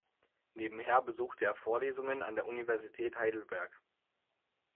Nebenher besuchte er Vorlesungen an der Universität Heidelberg.